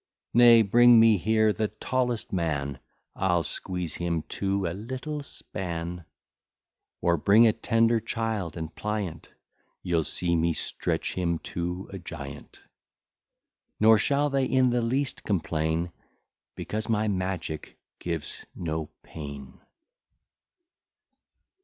Nay, bring me here the tallest man, I'll squeeze him to a little span; Or bring a tender child, and pliant, You'll see me stretch him to a giant: Nor shall they in the least complain, Because my magic gives no pain.